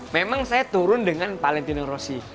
memang saya turun dengan valentino rossi